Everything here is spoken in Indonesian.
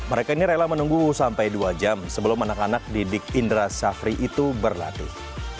mereka ini rela menunggu sampai dua jam sebelum anak anak didik indra syafri itu berlatih